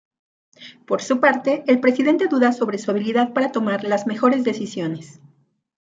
Por su parte, el Presidente duda sobre su habilidad para tomar las mejores decisiones.